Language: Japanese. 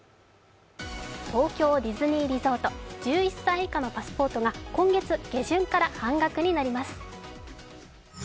東京ディズニーリゾート、１１歳以下のパスポートが今月下旬から半額になります。